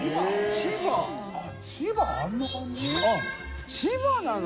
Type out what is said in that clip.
千葉なの？